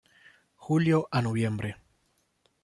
Julio a noviembre.